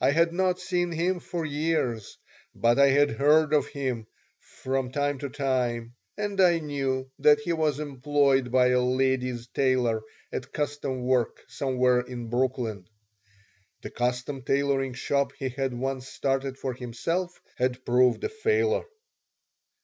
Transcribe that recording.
I had not seen him for years, but I had heard of him from time to time, and I knew that he was employed by a ladies' tailor at custom work somewhere in Brooklyn. (The custom tailoring shop he had once started for himself had proved a failure.)